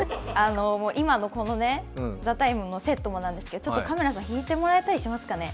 今のこの「ＴＨＥＴＩＭＥ，」のセットもなんですが、ちょっとカメラさん引いてもらえたりしますかね？